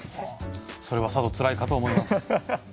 それはさぞつらいかと思います。